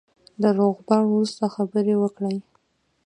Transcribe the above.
د روغبړ وروسته خبرې وکړې.